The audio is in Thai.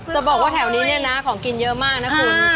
จะบอกว่าแถวนี้เนี่ยนะของกินเยอะมากนะคุณ